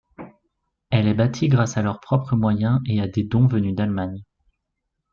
Elle est bâtie grâce à leurs propres moyens et à des dons venus d'Allemagne.